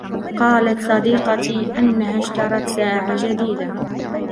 قالت صديقتي أنها اشترت ساعة جديدة.